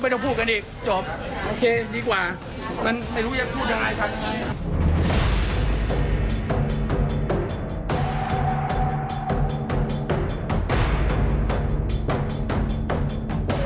มันไม่รู้ยังพูดยังไงฉัน